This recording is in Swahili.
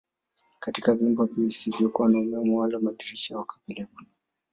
katika vyumba visivyokuwa na umeme wala madirisha wakawapeleka